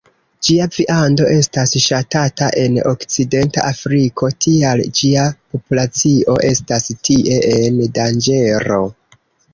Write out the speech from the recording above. Ĝia viando estas ŝatata en okcidenta Afriko, tial ĝia populacio estas tie en danĝero.